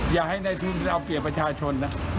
อย่าให้ในทุนไปเอาเปรียบประชาชนนะ